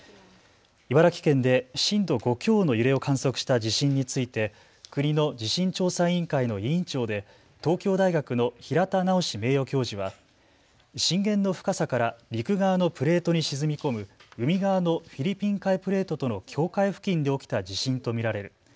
茨城県で震度５強の揺れを観測した地震について国の地震調査委員会の委員長で東京大学の平田直名誉教授は震源の深さから陸側のプレートに沈み込む海側のフィリピン海プレートとの境界付近で起きた地震と見られる。